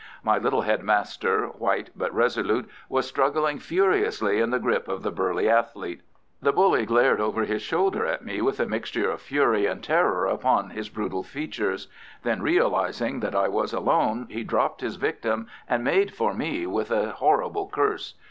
My little head master, white but resolute, was struggling furiously in the grip of the burly athlete. The bully glared over his shoulder at me with a mixture of fury and terror upon his brutal features. Then, realizing that I was alone, he dropped his victim and made for me with a horrible curse.